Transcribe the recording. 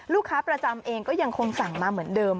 ลูกค้าประจำเองก็ยังคงสั่งมาเหมือนเดิม